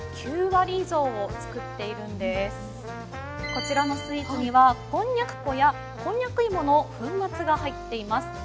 こちらのスイーツにはこんにゃく粉やこんにゃく芋の粉末が入っています。